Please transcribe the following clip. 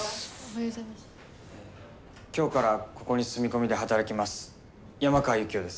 今日からここに住み込みで働きます山川ユキオです。